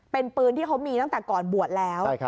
เป็นปืนที่เขามีตั้งแต่ก่อนบวชแล้ว